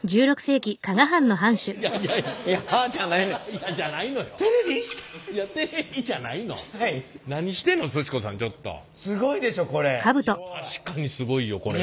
確かにすごいよこれは。